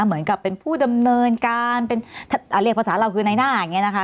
เหมือนกับเป็นผู้ดำเนินการเป็นเรียกภาษาเราคือในหน้าอย่างนี้นะคะ